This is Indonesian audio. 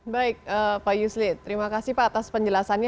baik pak yusli terima kasih pak atas penjelasannya